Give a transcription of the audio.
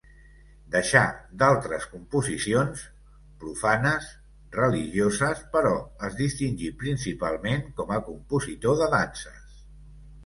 Deixà d'altres composicions, profanes, religioses, però es distingí principalment com a compositor de danses.